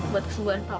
buat kesembuhan paku